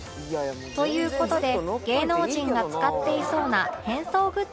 という事で芸能人が使っていそうな変装グッズを用意